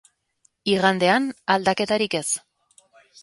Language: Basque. Igandean, aldaketarik ez.